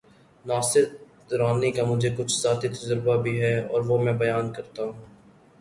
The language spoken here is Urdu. ناصر درانی کا مجھے کچھ ذاتی تجربہ بھی ہے‘ اور وہ میں بیان کرتا ہوں۔